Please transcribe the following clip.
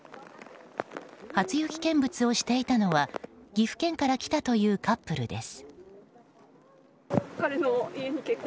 初雪見物をしていたのは岐阜県から来たというカップルです。